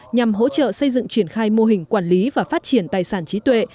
nhằm hỗ trợ xây dựng triển khai mô hình quản lý và phát triển tài sản trí tuệ